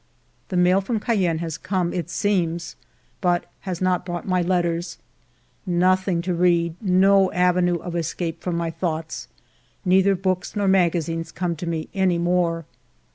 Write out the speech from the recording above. '* The mail from Cayenne has come, it seems, but has not brought my letters !... Nothing to read, no avenue of escape from my thoughts. Neither books nor magazines come to me any more.